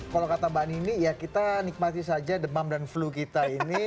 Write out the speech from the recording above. kalau kata mbak nini ya kita nikmati saja demam dan flu kita ini